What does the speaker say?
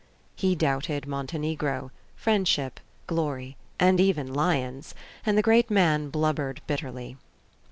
He doubted Montenegro, friendship, glory, and even lions; and the great man blubbered bitterly.